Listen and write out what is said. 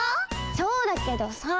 そうだけどさあ。